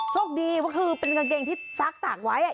โชคดีก็คือเป็นกางเกงที่ซักตากไว้